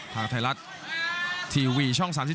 ทางไทยรัฐทีวีช่อง๓๒